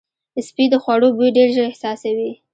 سپي د خوړو بوی ډېر ژر احساسوي.